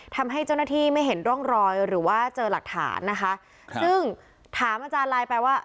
ทำให้เจ้าหน้าที่ไม่เห็นร่องรอยหรือว่าเจอหลักฐานนะคะซึ่งถามอาจารย์ไลน์ไปว่า